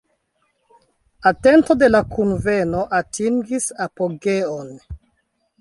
Atento de la kunveno atingis apogeon.